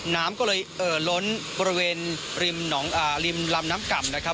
น้ำก็เลยเอ่อล้นบริเวณริมลำน้ำก่ำนะครับ